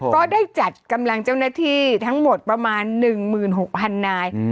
ก็ได้จัดกำลังเจ้าหน้าที่ทั้งหมดประมาณ๑๖๐๐นาย